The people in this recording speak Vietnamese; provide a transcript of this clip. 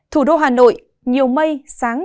thủ đô hà nội nhiều mây sáng